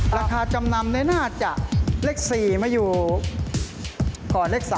ราคาจำนำน่าจะเลข๔มาอยู่ก่อนเลข๓